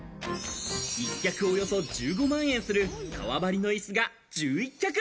一脚およそ１５万円する革張りの椅子が１１脚。